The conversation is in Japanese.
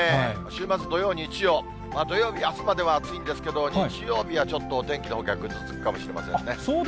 週末、土曜、日曜、土曜日、あすまでは暑いんですけど、日曜日はちょっとお天気のほうがぐずつくかもしれませんね。